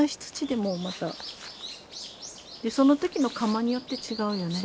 でその時の窯によって違うよね。